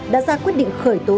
đã ra quyết định khởi tố